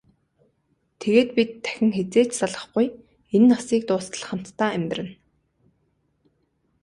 Тэгээд бид дахин хэзээ ч салахгүй, энэ насыг дуустал хамтдаа амьдарна.